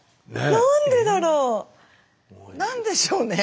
なんでだろう⁉なんでしょうね？